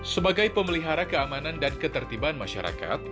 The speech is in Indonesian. sebagai pemelihara keamanan dan ketertiban masyarakat